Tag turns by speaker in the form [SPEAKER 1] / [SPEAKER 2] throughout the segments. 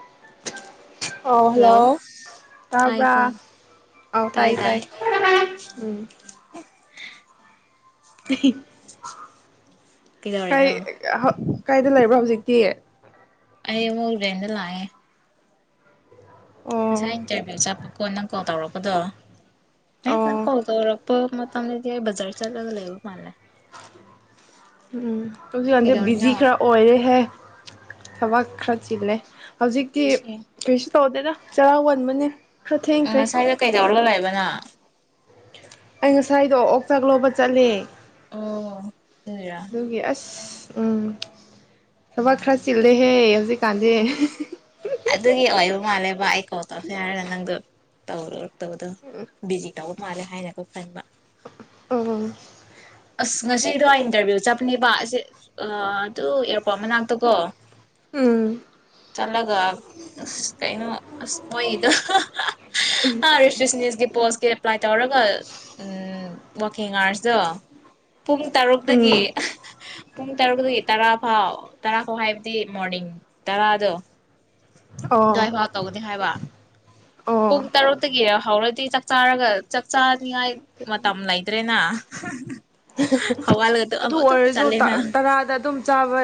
[SPEAKER 1] [unintelligible] ꯑ ꯍꯜꯂꯣ ꯇꯥꯕꯔ
[SPEAKER 2] ꯇꯥꯏꯀꯣ
[SPEAKER 1] ꯑꯎ ꯇꯥꯏ ꯇꯥꯏ ꯎꯝ ꯑꯩ ꯀꯩ
[SPEAKER 2] ꯀꯩꯗꯧꯔꯤꯅꯣ
[SPEAKER 1] ꯀꯥꯏꯗ ꯂꯩꯕ꯭ꯔ ꯍꯧꯖꯤꯛꯇꯤ
[SPEAKER 2] ꯑꯩ ꯑꯃꯨꯛ ꯔꯦꯟꯗ ꯂꯛꯑꯦ
[SPEAKER 1] ꯑꯣ
[SPEAKER 2] ꯉꯁꯥꯏ ꯏꯟꯇꯔꯚꯤꯌꯨ ꯆꯠꯄ ꯀꯣꯅꯪ ꯀꯣꯜ
[SPEAKER 1] ꯑꯣ
[SPEAKER 2] ꯇꯧꯔꯣ__ ꯄꯗꯣ [unintelligible] ꯇꯝꯖꯦ ꯕꯖꯔ ꯆꯠꯂꯒ ꯂꯩꯕ ꯃꯥꯜꯂ
[SPEAKER 1] ꯎꯝ ꯍꯧꯖꯤꯛ ꯀꯥꯟꯖꯦ ꯕꯤꯖꯤ ꯈꯔ ꯑꯣꯏꯔꯦꯍꯦ ꯊꯕꯥꯛ ꯈ꯭ꯔ ꯆꯤꯜꯂꯦ ꯍꯧꯖꯤꯛꯇꯤ
[SPEAKER 2] ꯉꯁꯤ
[SPEAKER 1] ꯇꯧꯗꯦꯗ ꯆꯔꯥ ꯋꯥꯟꯕꯅꯦ ꯈꯔ
[SPEAKER 2] ꯑ
[SPEAKER 1] ꯊꯦꯡꯈ꯭ꯔꯦ
[SPEAKER 2] ꯁꯥꯏꯗ ꯀꯩꯗꯧꯔꯥ ꯂꯩ ꯕꯅꯣ
[SPEAKER 1] ꯑꯩ ꯉꯁꯥꯏꯗꯣ ꯑꯣꯛ ꯆꯥꯛ ꯂꯧꯕ ꯆꯠꯂꯦ
[SPEAKER 2] ꯑꯣ ꯑꯗꯨꯒꯤꯔꯥ
[SPEAKER 1] ꯑꯗꯨꯒꯤ ꯑꯁ ꯎꯝ ꯊꯕꯛ ꯈꯔ ꯆꯤꯜꯂꯦꯍꯦ ꯍꯧꯖꯤꯛꯀꯥꯟꯗꯤ
[SPEAKER 2] ꯑꯗꯨꯒꯤ ꯑꯣꯏꯕ ꯃꯥꯜꯂꯦ ꯕꯥ ꯑꯩ ꯀꯣꯛ ꯇꯧꯈꯦ ꯍꯥꯏꯔꯒ ꯅꯪꯗꯣ ꯇꯧꯔꯨꯔ ꯇꯧꯕꯥꯗꯣ ꯕꯤꯖꯤ ꯇꯧ ꯃꯥꯜꯂꯦ ꯍꯥꯏꯅꯀꯣ ꯈꯟꯕ
[SPEAKER 1] ꯎꯝ
[SPEAKER 2] ꯑꯁ ꯉꯁꯤꯗꯣ ꯑꯩ ꯏꯟꯇꯔꯚꯤꯌꯨ ꯆꯠꯄꯅꯦꯕ ꯑꯁ ꯑꯗꯨ ꯑꯦꯌꯥꯔꯄꯣꯔꯠ ꯃꯅꯥꯛꯇꯀꯣ
[SPEAKER 1] ꯎꯝ
[SPEAKER 2] ꯆꯂꯒ ꯑꯁ ꯀꯩꯅꯣ ꯑꯁ ꯃꯣꯏꯗꯣ ꯔꯤꯁꯞꯁꯅꯤꯁꯀꯤ ꯄꯣꯁꯀꯤ ꯑꯦꯄ꯭ꯂꯥꯏ ꯇꯧꯔꯒ ꯎꯝ ꯋꯥꯛꯀꯤꯡ ꯑꯥꯋꯥꯔꯁꯗꯣ ꯄꯨꯡ
[SPEAKER 1] ꯎꯝ
[SPEAKER 2] ꯇꯔꯨꯛꯇꯒꯤ ꯄꯨꯡ ꯇꯔꯨꯛꯇꯒꯤ ꯇꯔꯥ ꯐꯥꯎ ꯇꯔꯥ ꯐꯥꯎ ꯍꯥꯏꯕꯗꯤ ꯃꯣꯔꯅꯤꯡ ꯇꯔꯥꯗꯣ
[SPEAKER 1] ꯑꯣ
[SPEAKER 2] ꯗꯥꯋꯥꯏꯐꯎ ꯇꯧꯒꯅꯤ ꯍꯥꯏꯕ
[SPEAKER 1] ꯑꯣ
[SPEAKER 2] ꯄꯨꯡ ꯇꯥꯔꯣꯛꯇꯒꯤ ꯍꯧꯎꯔꯗꯤ ꯆꯥꯛ ꯆꯥꯔꯒ ꯆꯥꯛ ꯆꯥꯅꯤꯉꯥꯏ ꯃꯇꯝ ꯂꯩꯇ꯭ꯔꯦꯅ ꯍꯧꯒꯠꯂꯒ
[SPEAKER 1] ꯑꯗꯨ
[SPEAKER 2] ꯑꯗꯨꯝ
[SPEAKER 1] ꯑꯣꯏꯔꯁꯨ
[SPEAKER 2] ꯆꯠꯂꯦꯅ
[SPEAKER 1] ꯇꯔꯥꯗ ꯑꯗꯨꯝ ꯆꯥꯕ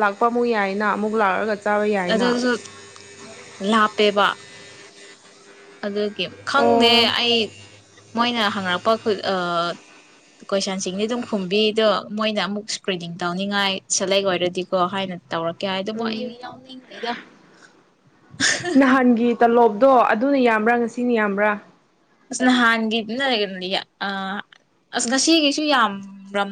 [SPEAKER 1] ꯂꯥꯛꯄ ꯑꯃꯨꯛ ꯌꯥꯏꯅ ꯑꯃꯨꯛ ꯂꯥꯛꯑꯒ ꯆꯥꯕ ꯌꯥꯏꯅ
[SPEAKER 2] ꯑꯗꯨꯁꯨ ꯂꯥꯞꯄꯦꯕ ꯑꯗꯨꯒꯤ ꯈꯪꯗꯦ
[SPEAKER 1] ꯑꯣ
[SPEAKER 2] ꯑꯩ ꯃꯣꯏꯅ ꯍꯪꯉꯛꯄ ꯀꯣꯏꯁꯟꯁꯤꯡꯗꯤ ꯑꯗꯨꯝ ꯈꯨꯝꯕꯤꯗꯣ ꯃꯣꯏꯅ ꯑꯃꯨꯛ ꯁꯀ꯭ꯔꯤꯅꯤꯡ ꯇꯧꯅꯤꯡꯉꯥꯏ ꯁꯦꯂꯦꯛ ꯑꯣꯏꯔꯗꯤꯀꯣ ꯍꯥꯏꯅ ꯇꯧꯔꯛꯀꯦ ꯍꯥꯏ ꯑꯗꯨꯕꯨ ꯑꯩ
[SPEAKER 1] ꯎꯝ
[SPEAKER 2] ꯌꯥꯎꯅꯤꯡꯗꯦꯗ
[SPEAKER 1] ꯅꯍꯥꯟꯒꯤ ꯇꯂꯣꯞ ꯇꯣ ꯑꯗꯨꯅ ꯌꯥꯝꯕ꯭ꯔꯥ ꯉꯁꯤꯅ ꯌꯥꯝꯕ꯭ꯔꯥ
[SPEAKER 2] ꯑꯁ ꯅꯍꯥꯟꯒꯤꯗꯨꯅ ꯑꯁ ꯉꯁꯤꯒꯤꯁꯨ ꯌꯥꯝꯔꯝ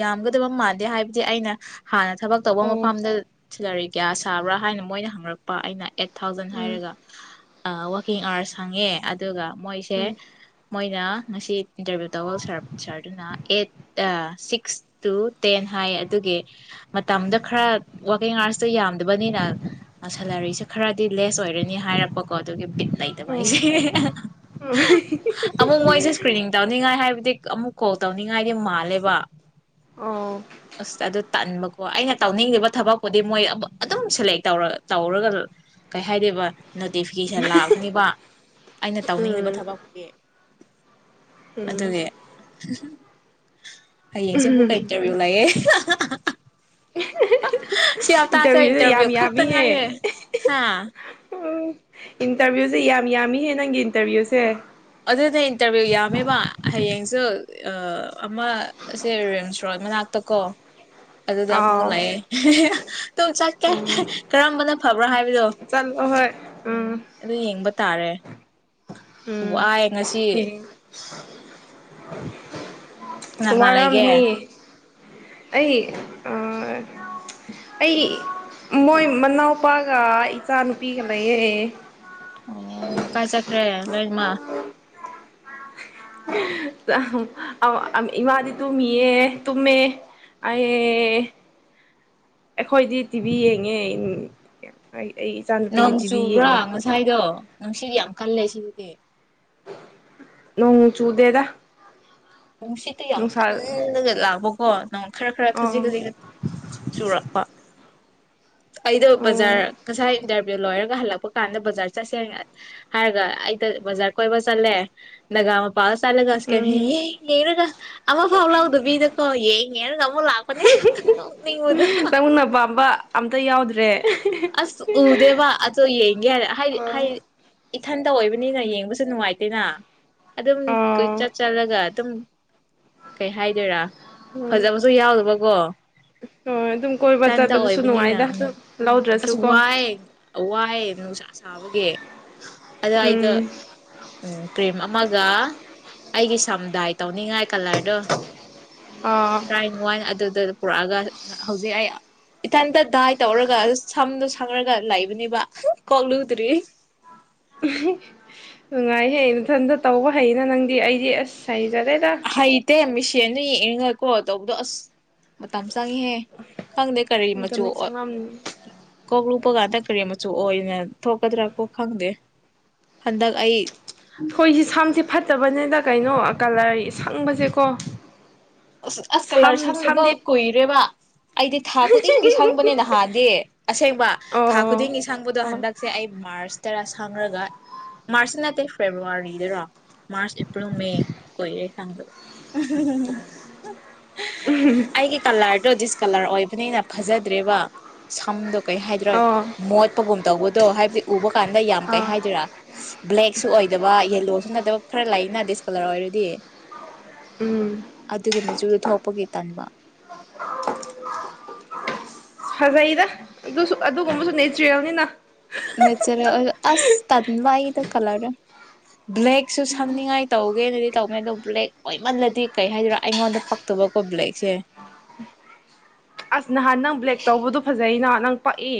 [SPEAKER 2] ꯌꯥꯝꯒꯗꯕ ꯃꯥꯟꯗꯦ ꯍꯥꯏꯕꯗꯤ ꯑꯩꯅ ꯍꯥꯟꯅ ꯊꯕꯛ ꯇꯧꯕ
[SPEAKER 1] ꯑꯣ
[SPEAKER 2] ꯃꯐꯝꯗ ꯁꯦꯂꯔꯤ ꯀꯌꯥ ꯁꯥꯕ꯭ꯔꯥ ꯍꯥꯏꯅ ꯃꯣꯏꯅ ꯍꯪꯔꯛꯄ ꯑꯩꯅ ꯑꯩꯠ ꯊꯥꯎꯖꯟ
[SPEAKER 1] ꯎꯝ
[SPEAKER 2] ꯍꯥꯏꯔꯒ ꯋꯥꯀꯤꯡ ꯑꯥꯋꯥꯔꯁ ꯍꯪꯉꯦ ꯑꯗꯨꯒ ꯃꯣꯏꯁꯦ
[SPEAKER 1] ꯎꯝ
[SPEAKER 2] ꯃꯣꯏꯅ ꯉꯁꯤ ꯏꯟꯇꯔꯚꯤꯌꯨ ꯇꯧꯋ ꯁꯥꯔ ꯁꯥꯔꯗꯨꯅ ꯑꯩꯠ ꯁꯤꯛꯁ ꯇꯨ ꯇꯦꯟ ꯍꯥꯏ ꯑꯗꯨꯒꯤ ꯃꯇꯝꯗ ꯈꯔ ꯋꯥꯔꯀꯤꯡ ꯑꯥꯋꯔꯁꯇꯣ ꯌꯥꯝꯗꯕꯅꯤꯅ ꯁꯦꯂꯔꯤꯁꯦ ꯈꯔꯗꯤ ꯂꯦꯁ ꯑꯣꯏꯔꯅꯤ ꯍꯥꯏꯔꯛꯄꯀꯣ ꯑꯗꯨꯒꯤ ꯕꯤꯠ ꯂꯩꯇꯕ ꯑꯩꯁꯦ
[SPEAKER 1] [unintelligible]
[SPEAKER 2] ꯁꯀ꯭ꯔꯤꯅꯤꯡ ꯇꯧꯅꯤꯡꯉꯥꯏ ꯍꯥꯏꯕꯗꯤ ꯑꯃꯨꯛ ꯀꯣꯜ ꯇꯧꯅꯤꯡꯉꯥꯏꯗꯤ ꯃꯥꯜꯂꯦꯕ
[SPEAKER 1] ꯑꯣ
[SPEAKER 2] ꯑꯁ ꯑꯗꯨ ꯇꯟꯕꯀꯣ ꯑꯩꯅ ꯇꯧꯅꯤꯡꯂꯤꯕ ꯊꯕꯛꯄꯨꯗꯤ ꯃꯣꯏ ꯑꯗꯨꯝ ꯁꯦꯂꯦꯛ ꯇꯧꯔ ꯇꯧꯔꯒ ꯀꯩ ꯍꯥꯏꯗꯦꯕ ꯅꯣꯇꯤꯐꯤꯀꯦꯁꯟ ꯂꯥꯛꯀꯅꯤꯕ ꯑꯩꯅ ꯇꯧꯅꯤꯡꯤꯕ
[SPEAKER 1] ꯎꯝ
[SPEAKER 2] ꯊꯕꯛꯄꯨꯗꯤ
[SPEAKER 1] ꯎꯝ
[SPEAKER 2] [unintelligible] ꯍꯌꯦꯡꯁꯤꯕꯨꯨ ꯀꯩ ꯏꯟꯇꯔꯚꯤꯌꯨ ꯂꯩꯌꯦ ꯁꯤ ꯍꯞꯇꯥꯁꯦ
[SPEAKER 1] ꯏꯟꯇꯔꯚꯤꯌꯨꯁꯦ ꯌꯥꯝ
[SPEAKER 2] ꯏꯟꯇꯔꯚꯤꯌꯨ ꯈꯛꯇ
[SPEAKER 1] ꯌꯥꯝꯃꯤꯍꯦ
[SPEAKER 2] ꯉꯥꯏꯔꯦ ꯍꯥ
[SPEAKER 1] ꯎꯝ ꯏꯟꯇꯔꯚꯤꯌꯨꯁꯦ ꯌꯥꯝ ꯌꯥꯝꯃꯤꯍꯦ ꯅꯪꯒꯤ ꯏꯟꯇꯔꯚꯤꯌꯨꯁꯦ
[SPEAKER 2] ꯑꯗꯨꯅꯦ ꯏꯟꯇꯔꯚꯤꯌꯨ ꯌꯥꯝꯃꯦꯕ ꯍꯌꯦꯡꯁꯨ ꯑꯃꯁꯦ ꯔꯤꯝꯁ ꯔꯣꯟ ꯃꯅꯥꯛꯇ ꯀꯣ ꯑꯗꯨꯗ ꯑꯃꯨꯛ
[SPEAKER 1] ꯑꯥꯎ
[SPEAKER 2] ꯂꯩꯌꯦ ꯇꯨꯡ ꯆꯠꯀꯦ
[SPEAKER 1] ꯎꯝ
[SPEAKER 2] ꯀꯔꯝꯕꯅ ꯐꯕ꯭ꯔꯥ ꯍꯥꯏ ꯕꯗꯣ
[SPEAKER 1] ꯆꯠꯂꯣ ꯍꯣꯏ
[SPEAKER 2] ꯎꯝ ꯑꯗꯨ ꯌꯦꯡꯕ ꯇꯥꯔꯦ
[SPEAKER 1] ꯎꯝ
[SPEAKER 2] ꯋꯥꯏ ꯉꯁꯤ ꯀꯅꯥ
[SPEAKER 1] [unintelligible]
[SPEAKER 2] ꯀꯅꯥ ꯂꯩꯒꯦ
[SPEAKER 1] ꯋꯥꯔꯝꯅꯤ ꯑꯩ ꯑꯩ ꯃꯣꯏ ꯃꯅꯥꯎꯄꯥꯒ ꯏꯆꯥ ꯅꯨꯨꯄꯤꯒ ꯂꯩꯌꯦ
[SPEAKER 2] ꯑꯣ ꯀꯥꯏꯖꯈ꯭ꯔꯦ ꯂꯣꯏꯃ
[SPEAKER 1] ꯏꯃꯥꯗꯤ ꯇꯨꯝꯃꯤꯌꯦ ꯇꯨꯝꯃꯦ ꯑꯩ ꯑꯩꯈꯣꯏꯗꯤ ꯇꯤꯚꯤ ꯌꯦꯡꯉꯦ ꯑꯩ ꯑꯩ ꯏꯆꯥꯅꯨꯄꯤꯗꯤ
[SPEAKER 2] ꯅꯣꯡ
[SPEAKER 1] ꯇꯤꯚꯤ
[SPEAKER 2] ꯆꯨꯕ꯭ꯔꯥ
[SPEAKER 1] ꯌꯦꯡꯉꯦ
[SPEAKER 2] ꯉꯁꯥꯏꯗꯣ ꯅꯪꯁꯤꯒꯤ ꯌꯥꯝ ꯀꯜꯂꯦ ꯁꯤꯒꯤꯗꯤ
[SPEAKER 1] ꯅꯣꯡ ꯆꯨꯗꯦꯗ
[SPEAKER 2] ꯅꯨꯡꯁꯤꯠꯇ ꯌꯥꯝ
[SPEAKER 1] ꯅꯨꯡꯁꯥ ꯑ
[SPEAKER 2] ꯀꯜꯂꯒ ꯂꯥꯛꯕꯀꯣ ꯅꯪ ꯈꯔ ꯈꯔ ꯈꯖꯤꯛ
[SPEAKER 1] ꯎꯝ
[SPEAKER 2] ꯈꯖꯤꯛ ꯆꯨꯔꯛꯄ ꯑꯩꯗꯣ
[SPEAKER 1] ꯎꯝ
[SPEAKER 2] ꯕꯖꯥꯔ ꯀꯁꯥꯏ ꯂꯣꯏꯔꯒ ꯍꯜꯂꯛꯄ ꯀꯥꯟꯗ ꯕꯖꯥꯔ ꯆꯠꯁꯦ ꯍꯥꯏꯔꯒ ꯑꯩꯗ ꯕꯖꯥꯔ ꯀꯣꯏꯕ ꯆꯠꯂꯦ ꯒꯥ ꯄꯥꯎ ꯆꯠꯂꯒ ꯑꯁ ꯀ ꯌꯦ ꯌꯦꯡꯉꯒ ꯑꯃꯐꯥꯎ ꯂꯧꯗꯕꯤꯗꯀꯣ ꯌꯦꯡ ꯌꯦꯡꯉꯒ ꯑꯃꯨꯛ ꯂꯥꯛꯄꯅꯦ ꯅꯣꯛꯅꯤꯡꯕꯗꯣ
[SPEAKER 1] ꯌꯥꯎꯗ
[SPEAKER 2] ꯑꯁ ꯎꯗꯦꯕ ꯑꯗꯣ ꯌꯦꯡꯒꯦ ꯍꯥꯏꯔꯦ ꯍꯥꯏꯗꯤ
[SPEAKER 1] ꯑꯣ
[SPEAKER 2] ꯍꯥꯏꯗꯤ ꯏꯊꯟꯇ ꯑꯣꯏꯕꯅꯤꯅ ꯌꯦꯡꯕꯁꯨ ꯅꯨꯡꯉꯥꯏꯇꯦꯅ ꯑꯗꯨꯝ ꯀꯣꯏ
[SPEAKER 1] ꯎꯝ
[SPEAKER 2] ꯆꯠ ꯆꯠꯂꯒ ꯑꯗꯨꯝ ꯀꯩ ꯍꯥꯏꯗꯣꯏꯔꯥ
[SPEAKER 1] ꯎꯝ
[SPEAKER 2] ꯐꯖꯕꯁꯨ ꯌꯥꯎꯗꯕꯀꯣ
[SPEAKER 1] ꯍꯣꯏ ꯑꯗꯨꯝ ꯀꯣꯏꯕ
[SPEAKER 2] ꯏꯊꯟꯇ
[SPEAKER 1] ꯆꯠꯄꯁꯨ
[SPEAKER 2] ꯑꯣꯏꯕꯅꯤꯅ
[SPEAKER 1] ꯅꯨꯡꯉꯥꯏꯗꯥ
[SPEAKER 2] ꯎꯝ ꯑꯁ ꯋꯥꯏ ꯋꯥꯏ ꯅꯨꯡꯁꯥ ꯁꯥꯕ ꯌꯦ ꯑꯗꯥꯏꯗ
[SPEAKER 1] ꯎꯝ
[SPEAKER 2] ꯎꯝ ꯄꯔꯦꯃ ꯑꯃꯒ ꯑꯩꯒꯤ ꯁꯝꯗꯥꯏ ꯇꯧꯅꯤ ꯅꯤꯡꯉꯥꯏ ꯀꯂꯔꯗꯣ
[SPEAKER 1] ꯑꯥ
[SPEAKER 2] ꯇ꯭ꯔꯥꯏ ꯋꯥꯥꯏ ꯑꯗꯨꯗ ꯄꯨꯔꯛꯑꯒ ꯍꯧꯖꯤꯛ ꯑꯩ ꯏꯊꯟꯗ ꯇꯥꯏ ꯇꯧꯔꯒ ꯁꯝꯗꯣ ꯁꯪꯉꯔꯒ ꯂꯩꯕꯅꯦꯕ ꯀꯣꯛ ꯂꯨꯗ꯭ꯔꯤ
[SPEAKER 1] ꯅꯨꯡꯉꯥꯏꯍꯦ ꯃꯊꯟꯇ ꯇꯧꯕ ꯍꯩꯅ ꯅꯪꯗꯤ ꯑꯩꯗꯤ ꯑꯁ ꯍꯩ
[SPEAKER 2] ꯍꯩꯇꯦ ꯃꯤꯡꯁꯦꯜꯗ ꯌꯦꯡꯉꯒ ꯀꯣ ꯇꯧꯕꯗꯣ ꯑꯁ ꯃꯇꯝ ꯆꯪꯉꯤꯍꯦ ꯈꯪꯗꯦ ꯀꯔꯤ ꯃꯆꯨ
[SPEAKER 1] ꯃꯇꯝꯗ ꯆꯪꯉꯝꯅꯤ
[SPEAKER 2] ꯀꯣꯛ ꯂꯨꯞꯄꯀꯥꯟꯗ ꯀꯔꯤ ꯃꯆꯨ ꯑꯣꯏꯅ ꯊꯣꯛꯀꯗ꯭ꯔ ꯀꯣ ꯈꯪꯗꯦ ꯍꯟꯗꯛ ꯑꯩ
[SPEAKER 1] ꯊꯣꯏꯁꯤ ꯁꯝꯁꯦ ꯐꯠꯇꯕꯅꯦꯗ ꯀꯩꯅꯣ ꯀꯂꯔ ꯁꯪꯕꯁꯦꯀꯣ
[SPEAKER 2] ꯑꯁ ꯑꯁ ꯀꯂꯔ
[SPEAKER 1] ꯁꯝ
[SPEAKER 2] ꯁꯪꯗꯕ
[SPEAKER 1] ꯁꯝꯗꯤ
[SPEAKER 2] ꯀꯨꯏꯔꯦꯕ ꯑꯩꯗꯤ ꯊꯥ ꯈꯨꯗꯤꯡꯒꯤ ꯁꯪꯕꯅꯦ ꯅꯍꯥꯟꯗꯤ ꯑꯁꯦꯡꯕ ꯊꯥ
[SPEAKER 1] ꯑꯣ
[SPEAKER 2] ꯈꯨꯗꯤꯡꯒꯤ ꯁꯪꯕꯗꯣ
[SPEAKER 1] ꯑꯣ
[SPEAKER 2] ꯍꯟꯗꯛꯁꯦ ꯑꯩ ꯃꯥꯔꯁ ꯇꯔꯥ ꯁꯪꯉꯒ ꯃꯥꯔꯁꯀꯤ ꯅꯠꯇꯦ ꯐꯦꯕꯋꯥꯔꯤꯗꯔꯣ ꯃꯥꯔꯆ ꯑꯦꯄ꯭ꯔꯤꯜ ꯃꯦ ꯀꯨꯏꯔꯦ ꯁꯪꯗꯕ ꯑꯩꯒꯤ ꯀꯂꯔꯗꯣ ꯗꯤꯁꯀꯂꯔ ꯑꯣꯏꯕꯅꯤꯅ ꯐꯖꯗ꯭ꯔꯦꯕ ꯁꯝꯗꯣ ꯀꯩ ꯍꯥꯏꯗꯣꯏꯔꯣ
[SPEAKER 1] ꯑꯣ
[SPEAKER 2] ꯃꯣꯠꯄꯒꯨꯝ ꯇꯧꯕꯗꯣ ꯍꯥꯏꯕꯗꯤ ꯎꯕ ꯀꯥꯟꯗ ꯌꯥꯝ ꯀꯩ
[SPEAKER 1] ꯑꯥ
[SPEAKER 2] ꯍꯥꯏꯗꯣꯏꯔꯥ ꯕ꯭ꯂꯦꯛꯁꯨ ꯑꯣꯏꯗꯕ ꯌꯦꯜꯂꯣꯁꯨ ꯅꯠꯇꯕ ꯈꯔ ꯂꯥꯛꯏꯅ ꯗꯤꯁꯀꯣꯂꯔ ꯑꯣꯏꯔꯗꯤ
[SPEAKER 1] ꯎꯝ
[SPEAKER 2] ꯑꯗꯨꯒꯤ ꯃꯆꯨꯗꯨ ꯊꯣꯛꯄꯒꯤ ꯇꯟꯕ
[SPEAKER 1] ꯐꯖꯩꯗ ꯑꯗꯨꯁꯨ ꯑꯗꯨꯒꯨꯝꯕꯁꯨ ꯅꯦꯆꯔꯦꯜꯅꯤꯅ
[SPEAKER 2] ꯅꯦꯆꯔꯦꯜ ꯑꯁ ꯇꯟꯕ ꯑꯩꯗꯣ ꯀꯂꯔꯗꯣ ꯕ꯭ꯂꯦꯛꯁꯨ ꯁꯝꯅꯤꯡꯉꯥꯏ ꯇꯧ ꯒꯦꯅꯗꯤ ꯇꯧꯅꯤ ꯑꯗꯣ ꯕ꯭ꯂꯦꯛ ꯑꯣꯏꯃꯜꯂꯗꯤ ꯀꯩ ꯍꯥꯏꯗꯣꯏꯔꯥ ꯑꯩꯉꯣꯟꯗ ꯄꯛꯇꯕꯀꯣ ꯕ꯭ꯂꯦꯛꯁꯦ
[SPEAKER 1] ꯑꯁ ꯅꯍꯥꯟ ꯅꯪ ꯕ꯭ꯂꯦꯛ ꯇꯧꯕꯗꯨꯣ ꯐꯖꯩꯩꯅ ꯅꯪ ꯄꯛꯏ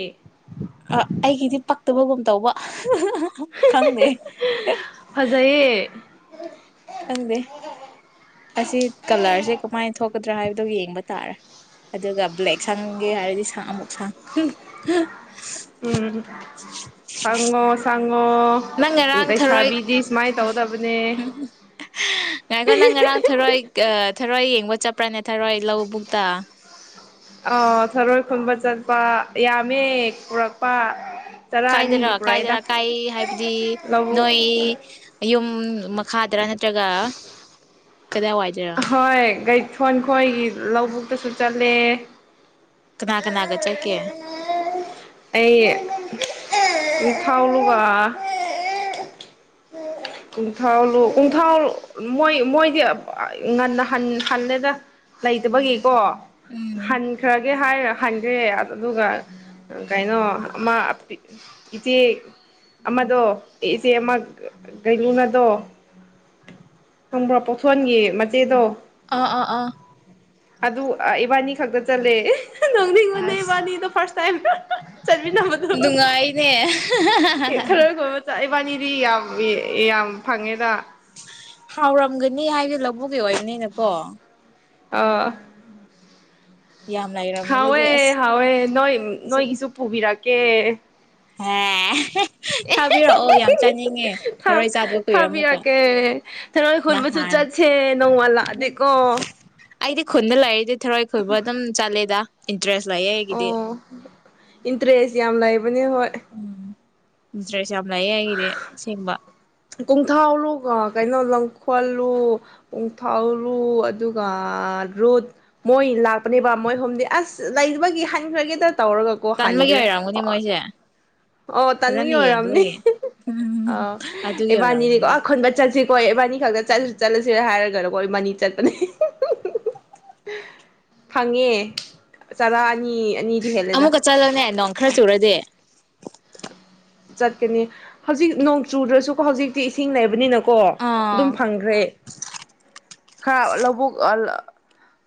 [SPEAKER 2] ꯑ ꯑꯩꯒꯤꯗꯤ ꯄꯛꯇꯕꯒꯨꯝ ꯇꯧꯕ ꯈꯪꯗꯦ
[SPEAKER 1] ꯐꯖꯩꯌꯦ
[SPEAKER 2] ꯈꯪꯗꯦ ꯑꯁꯤ ꯀꯂꯔꯁꯦ ꯀꯃꯥꯏꯅ ꯊꯣꯛꯀꯗ꯭ꯔꯥ ꯍꯥꯏꯕꯗꯣ ꯌꯦꯡꯕ ꯇꯥꯔꯦ ꯑꯗꯨꯒ ꯕ꯭ꯂꯦꯛ ꯁꯪꯒꯦ ꯍꯥꯏꯔꯗꯤ ꯁꯪ ꯑꯃꯨꯛ ꯁꯪ
[SPEAKER 1] ꯎꯝ ꯆꯉꯣ ꯁ
[SPEAKER 2] ꯅꯪ ꯉꯔꯥꯡ ꯊꯔꯣꯏ
[SPEAKER 1] ꯁꯨꯃꯥꯏꯅ ꯇꯧꯗꯕꯅꯦ
[SPEAKER 2] ꯉꯥꯏꯈꯣ ꯅꯪ ꯉꯔꯥꯡ ꯊꯔꯣꯏ ꯊꯔꯣꯏ ꯋꯥ ꯆꯄ ꯊꯔꯣꯏ ꯂꯧꯕꯨꯛꯇ
[SPEAKER 1] ꯑ ꯊꯔꯣꯏ ꯈꯨꯟꯕ ꯆꯠꯄ ꯌꯥꯝꯃꯦ ꯄꯨꯔꯛꯄ ꯇꯔꯥ
[SPEAKER 2] ꯀꯥꯏꯗꯔꯥ
[SPEAKER 1] ꯑꯅꯤꯒꯤ ꯄꯨꯔꯛꯏꯗ
[SPEAKER 2] ꯀꯥꯏꯗꯔꯥ ꯀꯥꯏ ꯍꯥꯏꯕꯗꯤ
[SPEAKER 1] ꯂꯧꯕꯨꯛ
[SPEAKER 2] ꯅꯣꯏ ꯌꯨꯝ ꯈꯥꯗ꯭ꯔꯥ ꯅꯠꯇ꯭ꯔꯒ ꯀꯗꯥꯏ ꯋꯥꯏꯗꯔ
[SPEAKER 1] ꯍꯣꯏ ꯁꫭꯟ ꯈꯣꯏꯒꯤ ꯂꯧꯕꯨꯛꯇꯁꯨ ꯆꯠꯂꯦ
[SPEAKER 2] ꯀꯅꯥ ꯀꯅꯥꯒ ꯆꯀꯦ
[SPEAKER 1] ꯑꯩ ꯀꯣꯡꯊꯥꯎꯂꯒ ꯀꯣꯡꯊꯥꯎꯨ ꯀꯣꯡꯊꯥꯎ ꯃꯣꯏ ꯃꯣꯏꯗꯤ ꯉꯟꯅ ꯍꯜꯂꯦꯅ ꯂꯩꯇꯕꯒꯤꯀꯣ
[SPEAKER 2] ꯎꯝ
[SPEAKER 1] ꯍꯅꯤ ꯈꯔꯒꯦ ꯍꯥꯏꯔ ꯍꯟꯒ꯭ꯔꯦ ꯑꯗꯨꯒ ꯀꯩꯅꯣ ꯑꯃ ꯏꯆꯦ ꯑꯃꯗꯣ ꯏꯆꯦ ꯑꯃ ꯒꯩꯂꯨꯅꯗꯣꯪꯕ꯭ꯔꯣ ꯄ ꯐꯣꯟꯒꯤ ꯃꯆꯦꯗꯣ
[SPEAKER 2] ꯑꯥ ꯑꯥ ꯑꯥ
[SPEAKER 1] ꯑꯗꯨ ꯏꯕꯥꯅꯤ ꯈꯛꯇ ꯆꯠꯂꯦ ꯅꯣꯡꯅꯤꯡꯉꯣꯟꯅꯦ
[SPEAKER 2] ꯑꯁ
[SPEAKER 1] ꯏꯕꯥꯅꯤꯗꯣ ꯐꯥꯔꯁ ꯇꯥꯏꯝ ꯆꯠꯃꯤꯟꯅꯕꯗꯣ
[SPEAKER 2] ꯅꯨꯡꯉꯥꯏꯅꯦ
[SPEAKER 1] ꯑꯦ ꯈꯔ ꯈꯣꯏꯕ ꯆꯥꯏ ꯕꯥꯅꯤꯗꯤ ꯌꯥꯝ ꯌꯥꯝ ꯐꯪꯉꯦꯗ
[SPEAKER 2] ꯍꯥꯎꯔꯝꯒꯅꯤ ꯍꯥꯏꯁ ꯂꯧꯕꯨꯒꯤ ꯑꯣꯏꯔꯅꯤꯅꯀꯣ
[SPEAKER 1] ꯑ
[SPEAKER 2] ꯌꯥꯝ ꯂꯩꯔꯝꯃꯒꯗꯤ
[SPEAKER 1] ꯍꯋꯦ
[SPEAKER 2] ꯑꯁ
[SPEAKER 1] ꯍꯥꯎꯋꯦ ꯅꯣꯏ
[SPEAKER 2] ꯑꯩꯁꯨ
[SPEAKER 1] ꯅꯣꯏ ꯍꯁꯨ ꯄꯕꯤꯔꯛ
[SPEAKER 2] ꯍꯦ ꯊꯥꯕꯤꯔꯛꯑꯣ ꯌꯥꯝ ꯆꯥꯅꯤꯡꯉꯦ
[SPEAKER 1] ꯀ
[SPEAKER 2] ꯊꯔꯣꯏ ꯆꯥꯗꯕ ꯀꯨꯏꯔꯦ ꯑꯃꯨꯛꯀ
[SPEAKER 1] ꯊꯥꯕꯤꯔꯛꯀꯦ ꯊꯔꯣꯏ ꯈꯨꯨꯟꯕꯁꯨ
[SPEAKER 2] ꯅꯍꯥꯟ
[SPEAKER 1] ꯆꯠꯁꯦ ꯅꯣꯡꯃꯜꯂꯥꯛꯑꯗꯤꯀꯣ
[SPEAKER 2] ꯑꯩꯗꯤ ꯈꯨꯣꯟꯗꯂꯥꯏꯗꯦ ꯊꯦꯔꯣꯏ ꯈꯣꯏꯕ ꯑꯗꯨꯝ ꯆꯠꯂꯦꯗ ꯏꯟꯇꯔꯦꯁ ꯂꯩꯌꯦ ꯑꯩꯒꯤꯗꯤ
[SPEAKER 1] ꯑꯣ ꯏꯟꯇꯔꯦꯁ ꯌꯥꯝ ꯂꯩꯕ ꯃꯅꯤ ꯍ
[SPEAKER 2] ꯎꯝ ꯏꯟꯇꯔꯦꯁ ꯌꯥꯝ ꯂꯥꯏꯌꯦ ꯍꯥꯏꯒꯤꯗꯤ ꯁꯤꯦꯡꯕ
[SPEAKER 1] ꯀꯣꯡꯊꯥꯎꯔꯨꯒ ꯀꯩꯅꯣ ꯂꯪꯈꯣꯠꯂꯨ ꯀꯣꯡꯊꯥꯎꯔꯨ ꯑꯗꯨꯒ ꯔꯨꯠ ꯃꯣꯏ ꯂꯥꯛꯄꯅꯦꯕ ꯃꯣꯏ ꯍꯣꯝꯗꯤ ꯑꯁ ꯂꯩꯕꯒꯤ ꯍꯥꯏꯟꯈ꯭ꯔꯒꯦꯗ ꯇꯧꯔꯒꯀꯣ
[SPEAKER 2] ꯇꯟꯕꯒꯤ
[SPEAKER 1] ꯍꯟꯈ꯭ꯔꯦ
[SPEAKER 2] ꯑꯣꯏꯔꯝꯒꯅꯤ
[SPEAKER 1] ꯑꯣ
[SPEAKER 2] ꯃꯣꯏꯁꯦ
[SPEAKER 1] ꯑꯣ ꯇꯥꯟꯃꯤ
[SPEAKER 2] ꯐꯖꯅ
[SPEAKER 1] ꯑꯣꯏꯔꯝꯅꯦ
[SPEAKER 2] ꯌꯦꯡꯗꯕꯒꯤ ꯎꯝ
[SPEAKER 1] ꯑꯥ
[SPEAKER 2] ꯑꯗꯨꯒꯤ
[SPEAKER 1] ꯏꯕꯥꯅꯤꯅꯦꯀꯣ
[SPEAKER 2] ꯑꯣꯏꯔꯝꯒꯅꯤꯕ
[SPEAKER 1] ꯑꯈꯟꯕ ꯆꯠꯁꯤ ꯍꯣꯏ ꯏꯕꯥꯅꯤ ꯈꯛꯇ ꯆꯠꯂꯁꯨ ꯆꯠꯂꯁꯤꯔꯥ ꯍꯥꯏꯔꯒꯅꯀꯣ ꯏꯕꯥꯅꯤ ꯆꯠꯄꯅꯦ ꯐꯪꯉꯦ ꯆꯔꯥ ꯅꯤꯗꯤ ꯍꯦꯂꯦꯗ
[SPEAKER 2] ꯑꯃꯨꯛꯀ ꯆꯠꯂꯣꯅꯦ ꯅꯣꯡ ꯈꯔ ꯆꯨꯔꯗꯤꯦ
[SPEAKER 1] ꯆꯠꯀꯅꯤ ꯍꯧꯖꯤꯛ ꯅꯣꯡ ꯆꯨꯗ꯭ꯔꯁꯨꯀꯣ ꯍꯧꯖꯤꯛꯇꯤ ꯏꯁꯤꯡ ꯂꯩꯕꯅꯤꯅꯀꯣ ꯀꯣ
[SPEAKER 2] ꯑꯥ
[SPEAKER 1] ꯑꯗꯨꯝ ꯐꯪꯈ꯭ꯔꯦ ꯈꯔ ꯂꯧꯕꯨꯛ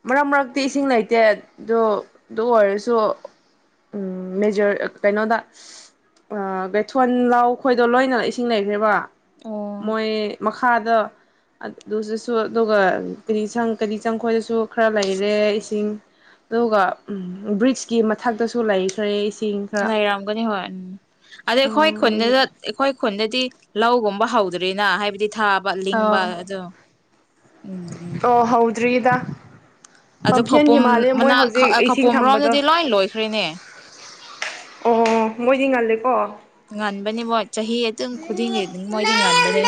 [SPEAKER 1] ꯃꯔꯛ ꯃꯔꯛꯇꯤ ꯏꯁꯤꯡ ꯂꯩꯇꯦ ꯑꯗꯨ ꯑꯗꯨ ꯑꯣꯏꯔꯁꯨ ꯃꯦꯖꯔ ꯀꯩꯅꯣꯗ ꯕꯦꯊꯣꯟ ꯂꯥꯎ ꯈꯣꯏꯗꯣ ꯂꯣꯏꯅ ꯏꯁꯤꯡ ꯂꯩꯈ꯭ꯔꯦꯕ
[SPEAKER 2] ꯑꯣ
[SPEAKER 1] ꯃꯣꯏ ꯃꯈ ꯊꯥꯗ ꯑꯗꯨꯗꯁꯨ ꯑꯗꯨꯒ ꯀꯔꯤ ꯁꯪ ꯀꯔꯤ ꯆꯪꯈꯣꯏꯗꯁꯨ ꯈꯔ ꯂꯔꯦ ꯏꯁꯤꯡ ꯑꯗꯨꯒ ꯕ꯭ꯔꯤꯖꯀꯤ ꯃꯊꯛꯇꯁꯨ ꯂꯩꯈ꯭ꯔꯦ ꯏꯁꯤꯡ ꯈꯔ
[SPEAKER 2] ꯂꯩꯥꯏꯔꯝꯒꯅꯤ ꯍꯣꯏ ꯎꯝ ꯑꯗ ꯑꯩꯈꯣꯏ
[SPEAKER 1] ꯑꯗꯨꯒꯤ
[SPEAKER 2] ꯈꯨꯟꯗꯗ ꯑꯩꯈꯣꯏ ꯈꯨꯟꯗꯗꯤ ꯂꯧꯒꯨꯝꯕ ꯍꯧꯗ꯭ꯔꯔꯤꯅ ꯍꯥꯏꯕꯗꯤ ꯊꯥꯕ ꯂꯤꯡꯕ
[SPEAKER 1] ꯑꯥ
[SPEAKER 2] ꯑꯗꯣ ꯎꯝ ꯎꯝ ꯑꯗꯨ
[SPEAKER 1] ꯄꯥꯝꯐꯦꯟꯒꯤ
[SPEAKER 2] ꯈꯧꯄꯨꯝ
[SPEAKER 1] ꯃꯥꯜꯂꯦ ꯃꯣꯏ
[SPEAKER 2] ꯃꯅꯥꯛ
[SPEAKER 1] ꯍꯧꯖꯤꯛ ꯏꯁꯤꯡ
[SPEAKER 2] ꯈꯧꯄꯨꯝ
[SPEAKER 1] ꯊꯝꯕꯗꯣ
[SPEAKER 2] ꯔꯣꯝꯗꯗꯤ ꯂꯣꯏ ꯂꯣꯏꯈ꯭ꯔꯦꯅꯦ
[SPEAKER 1] ꯑꯣ ꯃꯣꯏꯗꯤ ꯉꯜꯂꯦꯀꯣ
[SPEAKER 2] ꯃꯣꯠ ꯆꯍꯤ ꯑꯗꯨꯝ ꯈꯨꯗꯤꯡꯒꯤ ꯃꯣꯏꯗꯤ ꯉꯟꯥꯟꯕꯅꯦ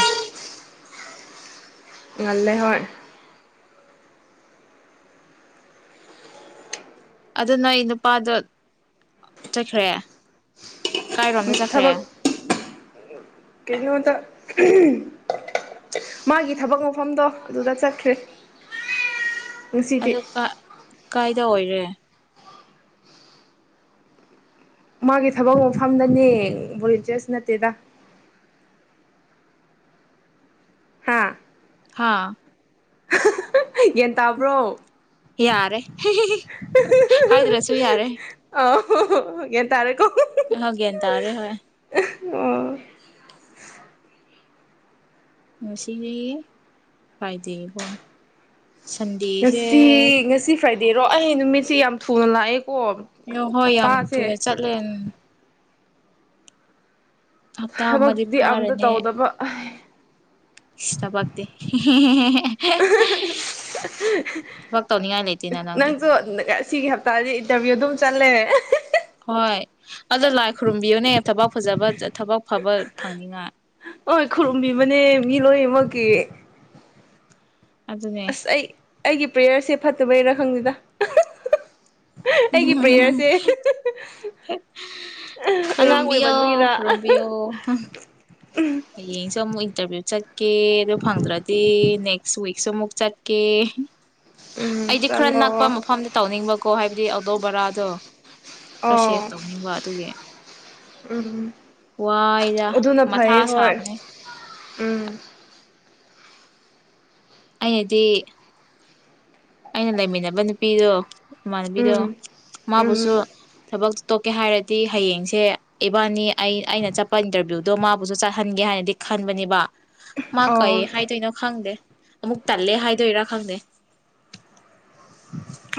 [SPEAKER 1] ꯉꯜꯂꯦ ꯍꯣꯏ
[SPEAKER 2] ꯑꯗꯨ ꯅ ꯑꯩ ꯅꯨꯄꯥꯗꯣ ꯆꯠꯈ꯭ꯔꯦ ꯀꯥꯏꯔꯣꯝꯗ
[SPEAKER 1] ꯃ
[SPEAKER 2] ꯆꯠꯈ꯭ꯔꯦ
[SPEAKER 1] ꯊꯕ ꯀꯩꯅꯗ ꯃꯥꯒꯤ ꯊꯕꯛ ꯃꯐꯝꯗꯣ ꯑꯗꯨꯗ ꯆꯠꯈ꯭ꯔꯦ ꯉꯁꯤꯗꯤ
[SPEAKER 2] ꯑꯗꯨ ꯀꯥꯏꯗ ꯑꯣꯏꯔꯦ
[SPEAKER 1] ꯃꯥꯒꯤ ꯊꯕꯛ ꯃꯐꯝꯗꯅꯦ ꯚꯣꯂꯦꯟꯇꯤꯌꯔꯁ ꯅꯠꯇꯦꯗ ꯍꯥꯥ
[SPEAKER 2] ꯑꯥ
[SPEAKER 1] ꯒ꯭ꯟ ꯇꯥꯕ꯭ꯔꯣ
[SPEAKER 2] ꯌꯥꯔꯦ ꯍꯥꯏꯗ꯭ꯔꯁꯨ ꯌꯥꯔꯦ
[SPEAKER 1] ꯌꯦꯟ ꯇꯥꯔꯦ
[SPEAKER 2] ꯍꯣꯏ ꯒ꯭ꯌꯥꯟ ꯇꯥꯔꯦ ꯍꯣꯏ
[SPEAKER 1] ꯑꯣ
[SPEAKER 2] ꯉꯁꯤꯗꯤ ꯐ꯭ꯔꯥꯏꯗꯦꯀꯣ ꯁꯟꯗꯦꯁꯦ
[SPEAKER 1] ꯉꯁꯤ ꯉꯁꯤ ꯐ꯭ꯔꯥꯏꯗꯦꯔꯣ ꯑꯩ ꯅꯨꯃꯤꯠꯁꯦ ꯌꯥꯝ ꯊꯨꯅ ꯂꯥꯛꯑꯦ
[SPEAKER 2] ꯑꯣ ꯍꯣꯏ ꯌꯥꯝ ꯊꯨꯑꯦ ꯆꯠꯂꯦ ꯍꯞꯇꯥ ꯑꯃꯗꯤ
[SPEAKER 1] ꯊꯕꯛꯇꯤ ꯑꯝꯇ
[SPEAKER 2] ꯐꯥꯔꯅꯤ
[SPEAKER 1] ꯇꯧꯗꯕ
[SPEAKER 2] ꯊꯕꯛꯇꯤ ꯊꯕꯛ ꯇꯧꯅꯤꯡꯉꯥꯏ ꯂꯩꯇꯦꯅ ꯅꯪꯗꯤ
[SPEAKER 1] ꯑꯁꯤꯒꯤ ꯍꯞꯇꯥꯗꯤ ꯏꯟꯇꯔꯚꯤꯌꯨ ꯑꯗꯨꯝ ꯆꯠꯂꯦ꯫
[SPEAKER 2] ꯍꯣꯏ ꯑꯗꯨꯗ ꯂꯥꯏ ꯈꯨꯔꯝꯕꯤꯌꯣꯅꯦ꯫ ꯊꯕꯥꯛ ꯐꯖꯕ꯫ ꯊꯕꯛ ꯐꯕ ꯐꯪꯅꯤꯉꯥꯏ꯫
[SPEAKER 1] ꯍꯣꯏ ꯈꯨꯔꯨꯝꯕꯤꯕꯅꯦ ꯃꯤ ꯂꯣꯏꯅꯃꯛꯀꯤ꯫
[SPEAKER 2] ꯑꯗꯨꯅꯦ꯫
[SPEAKER 1] ꯑꯁ ꯑꯩ ꯑꯩꯒꯤ ꯄ꯭ꯔꯦꯌꯔꯁꯦ ꯐꯠꯇꯕꯩꯔꯥ ꯈꯪꯗꯦꯗ꯫ ꯑꯩꯒꯤ ꯄ꯭ꯔꯦꯌꯔ꯫
[SPEAKER 2] ꯈꯨꯔꯨꯝꯕꯤꯌꯣ ꯈꯨꯔꯨꯝꯕꯤꯌꯣ ꯍꯌꯦꯡꯁꯨ ꯑꯃꯨꯛ꯫ ꯁꯨꯏꯁꯨꯣ ꯃꯨꯛ ꯆꯠꯀꯦ꯫
[SPEAKER 1] ꯎꯝ
[SPEAKER 2] ꯑꯩꯗꯤ ꯈꯔ
[SPEAKER 1] ꯆꯠꯂꯣ
[SPEAKER 2] ꯅꯛꯄ ꯃꯐꯝꯗ ꯇꯧꯅꯤꯡꯕꯀꯣ ꯍꯥꯏꯕꯗꯤ ꯑꯗꯧ ꯕꯔꯥꯗꯣ꯫ ꯈꯔ ꯁꯦꯐ
[SPEAKER 1] ꯑꯥꯎ
[SPEAKER 2] ꯇꯧꯅꯤꯡꯕ ꯑꯗꯨꯒꯤ
[SPEAKER 1] ꯎꯝ
[SPEAKER 2] ꯋꯥꯏꯗ
[SPEAKER 1] ꯑꯗꯨꯅ
[SPEAKER 2] ꯃꯊꯥ
[SPEAKER 1] ꯐꯩ ꯍꯣꯏ
[SPEAKER 2] ꯁꯥꯕꯅꯦ꯫
[SPEAKER 1] ꯎꯝ
[SPEAKER 2] ꯑꯩꯅꯗꯤ꯫ ꯑꯩꯅ ꯂꯩꯃꯤꯟꯅꯕ ꯅꯨꯄꯤꯗꯣ꯫ ꯏꯃꯥꯟꯅꯕꯤꯗꯣ
[SPEAKER 1] ꯎꯝ ꯎꯝ
[SPEAKER 2] ꯃꯥꯕꯨꯁꯨ ꯊꯕꯛ꯫ ꯇꯣꯛꯀꯦ ꯍꯥꯏꯔꯗꯤ ꯍꯌꯦꯡꯁꯦ ꯏꯕꯥꯅꯤ ꯑꯩ ꯑꯩꯅ ꯆꯠꯄ ꯏꯟꯇꯔꯚ꯭ꯌꯨꯗꯣ ꯃꯥꯕꯨꯁꯨ ꯆꯠꯍꯟꯒꯦ ꯍꯥꯏꯅꯗꯤ ꯈꯟꯕꯅꯦꯕ ꯃꯥ ꯀꯩ
[SPEAKER 1] ꯑꯣ
[SPEAKER 2] ꯍꯥꯏꯗꯣꯏꯅꯣ ꯈꯪꯗꯦ꯫ ꯑꯃꯨꯛ ꯇꯜꯂꯦ ꯍꯥꯏꯗꯣꯏꯔꯥ ꯈꯪꯗꯦ꯫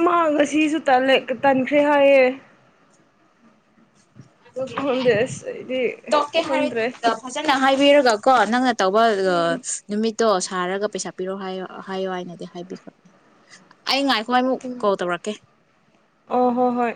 [SPEAKER 1] ꯃꯥꯡ ꯉꯁꯤꯁꯨ ꯇꯟꯈ꯭ꯔꯦ ꯍꯥꯏꯌꯦ ꯍꯗꯦ ꯑꯁ ꯏꯗꯤ
[SPEAKER 2] ꯇꯣꯛꯀꯦ ꯍꯥꯏꯔꯗꯤ
[SPEAKER 1] ꯈꯪꯗ꯭ꯔꯦ꯫
[SPEAKER 2] ꯐꯖꯅ ꯍꯥꯏꯕꯤꯔꯒ ꯀꯣ ꯅꯪꯅ꯫ ꯇꯧꯕ
[SPEAKER 1] ꯎꯝ
[SPEAKER 2] ꯅꯨꯃꯤꯠ꯫ ꯇꯣ ꯁꯥꯔꯒ ꯄꯩꯁꯥ ꯄꯤꯔꯣ ꯍꯥꯏ ꯍꯥꯏꯌꯣ ꯍꯥꯏꯅꯗꯤ ꯍꯥꯏꯕꯤꯈ꯭ꯔꯕꯅꯦ ꯑꯩ ꯉꯥꯏ꯫
[SPEAKER 1] ꯑꯣ ꯍꯣ ꯍꯣꯏ꯫